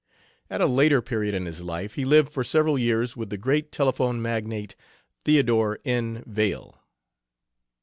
At a later period in his life he lived for several years with the great telephone magnate, Theodore N. Vail.